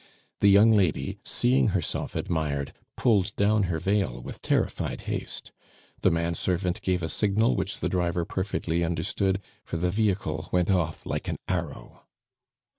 The young lady, seeing herself admired, pulled down her veil with terrified haste. The man servant gave a signal which the driver perfectly understood, for the vehicle went off like an arrow.